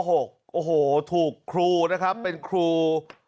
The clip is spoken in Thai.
โอ้โหถูกครูนะครับเป็นครู